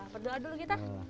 perdoa dulu kita